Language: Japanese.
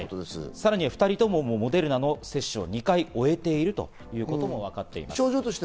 さらに２人ともモデルナの接種を２回終えているということもわかっています。